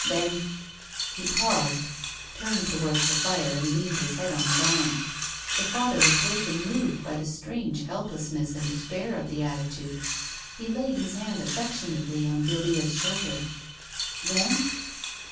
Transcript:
Then " He paused, turned towards the fire and leaned his head on his arm. The Thither was greatly moved by the strange helplessness and despair of the attitude. He laid his hand affectionately on Guildea's shoulder. " Then